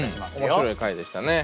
面白い回でしたね。